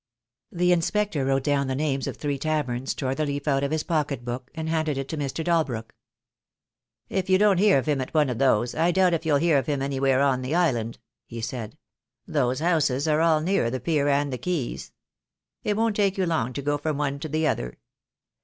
The inspector wrote down the names of three taverns, tore the leaf out of his pocket book, and handed it to Mr. Dalbrook. "If you don*t hear of him at one of those, I doubt if you'll hear of him anywhere on the island," he said. "Those houses are all near the pier and the quays. It won't take you long to go from one to the other.